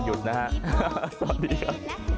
สวัสดีครับ